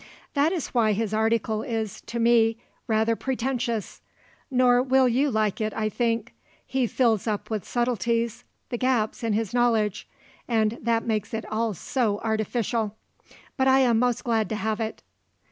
That is why his article is, to me, rather pretentious; nor will you like it, I think. He fills up with subtleties the gaps in his knowledge, and that makes it all so artificial. But I am most glad to have, it.